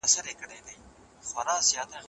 متلونه ځانته مشران نه وایي.